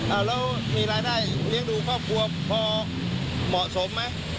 เอาแล้วมีรายได้เลี้ยงดูครอบครัวพอเหมาะสมไหม